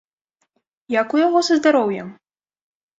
Як у яго са здароўем?